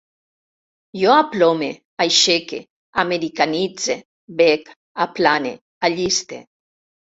Jo aplome, aixeque, americanitze, bec, aplane, alliste